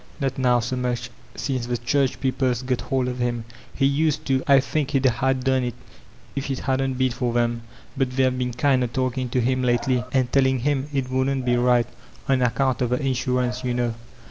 "Not now so much, since the church people's got hold of him. He used to; I think he'd a done it if it hadn't been for them. But they've been kind o' taOcin' to him htely, and teOin' him it wouldn't be right,— on account of the insurance, yoo know."